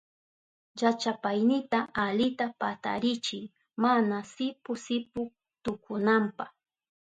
Llachapaynita alita patarichiy mana sipu sipu tukunanpa.